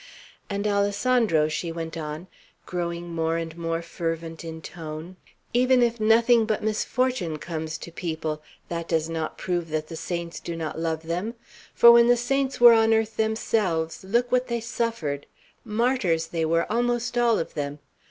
And, Alessandro," she went on, growing more and more fervent in tone, "even if nothing but misfortune comes to people, that does not prove that the saints do not love them; for when the saints were on earth themselves, look what they suffered: martyrs they were, almost all of them.